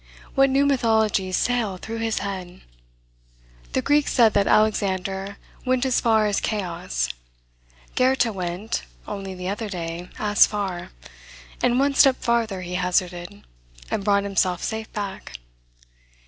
What new mythologies sail through his head! The Greeks said, that Alexander went as far as Chaos; Goethe went, only the other day, as far; and one step farther he hazarded, and brought himself safe back.